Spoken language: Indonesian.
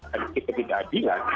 yang sedikit tidak adil